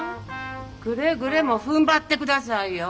くれぐれもふんばって下さいよ。